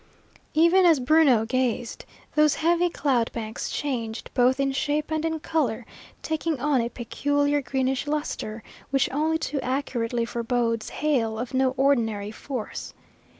Even as Bruno gazed, those heavy cloud banks changed, both in shape and in colour, taking on a peculiar greenish lustre which only too accurately forebodes hail of no ordinary force.